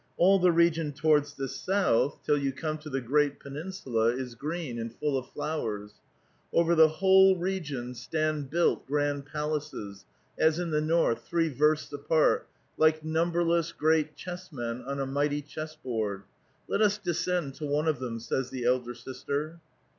All the region towards the south, till you A VITAL QUESTION. 383 come to the great peninsula, is green, and full of flowers ; over the whole region stand built grand palaces, as in the north, three versts apart, like numberless, great chessmen qn a mighty chessboard. Let us descend to one of them," fiavs the elder sister.